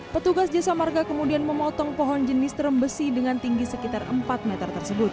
petugas jasa marga kemudian memotong pohon jenis terembesi dengan tinggi sekitar empat meter tersebut